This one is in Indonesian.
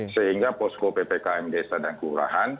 sehingga posko ppkm desa dan kelurahan